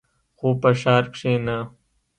خو په ښار کښې نه.